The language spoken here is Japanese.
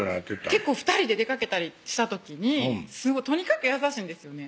結構２人で出かけたりした時にとにかく優しいんですよね